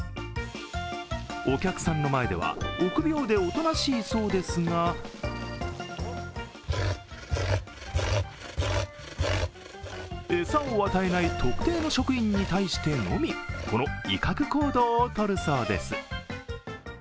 お客さんの前では、臆病でおとなしいそうですが餌を与えない特定の職員に対してのみこの威嚇行動をとるそうです。